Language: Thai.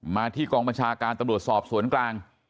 มาที่กองบัญชาการตำรวจสอบสวนกลาง